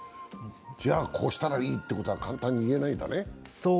じゃあ、こうしたらいいということは簡単に言えないんだね？